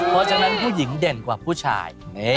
เพราะฉะนั้นผู้หญิงเด่นกว่าผู้ชาย